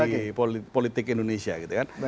di politik indonesia gitu kan